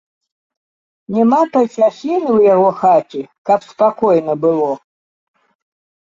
Няма той часіны ў яго хаце, каб спакойна было.